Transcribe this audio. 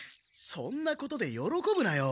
そんなことでよろこぶなよ。